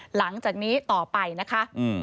หลังจากนี้ต่อไปนะคะ